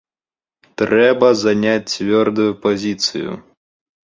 Трэба заняць цвёрдую пазіцыю.